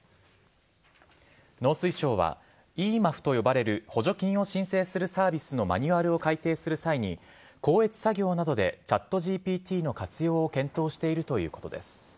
農水省は、イーマフと呼ばれる補助金を申請するサービスのマニュアルを改訂する際に、校閲作業などでチャットＧＰＴの活用を検討しているということです。